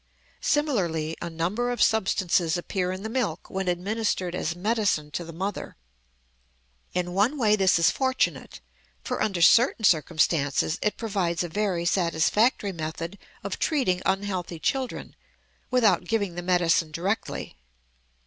Similarly a number of substances appear in the milk when administered as medicine to the mother. In one way this is fortunate, for under certain circumstances it provides a very satisfactory method of treating unhealthy children without giving the medicine directly.